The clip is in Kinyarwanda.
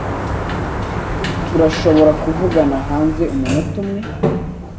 Turashobora kuvugana hanze umunota umwe?